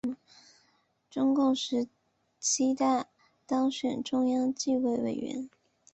中共十七大当选中央纪委委员。